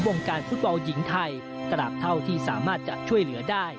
วงการฟุตบอลหญิงไทยตราบเท่าที่สามารถจะช่วยเหลือได้